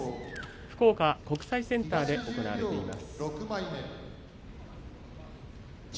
福岡国際センターで行われています。